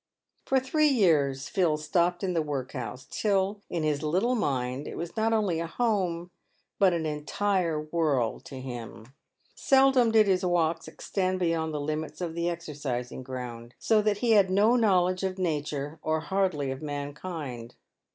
Eor three years Phil stopped in the workhouse, till, in his little j mind, it was not only a home but an entire world to him. Seldom did his walks extend beyond the limits of the exer.cising ground, so \ that he had no knowledge of nature, or hardly of mankind.